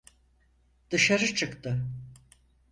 Dışarı çıktı.